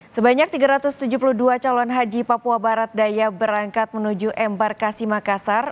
sebanyak tiga ratus tujuh puluh dua calon haji papua barat daya berangkat menuju embarkasi makassar